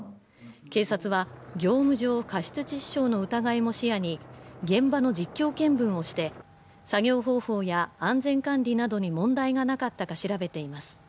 警察は、業務上過失致死傷の疑いも視野に現場の実況見分をして作業方法や安全管理などに問題がなかったか調べています。